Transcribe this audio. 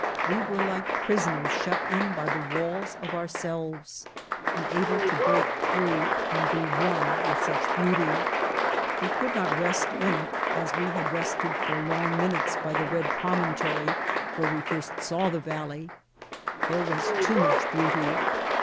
We were like prison ers shut in by the walls of ourselves, unable to break through and be one with such beauty. We could not rest in it as we had rested for long minutes by the red promontory where we first saw the valley; there was too much beauty.